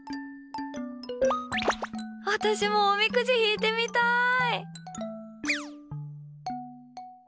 私もおみくじ引いてみたい！